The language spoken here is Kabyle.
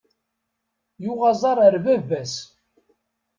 Yuɣ aẓaṛ ar bab-as.